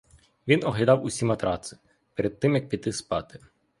Він оглядав усі матраци перед тим, як піти спати.